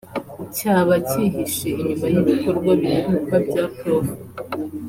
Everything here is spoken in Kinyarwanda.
cyaba cyihishe inyuma y’ibikorwa biheruka bya Prof